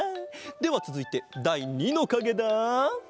ではつづいてだい２のかげだ。